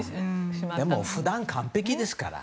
普段、完璧ですから。